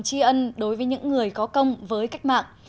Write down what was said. tri ân đối với những người có công với cách mạng